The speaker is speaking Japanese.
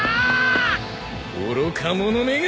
愚か者めが。